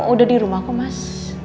udah dirumah kok mas